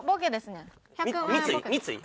三井？